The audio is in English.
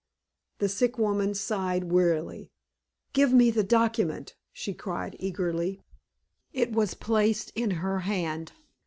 The sick woman sighed wearily. "Give me the document!" she cried, eagerly. It was placed in her hand.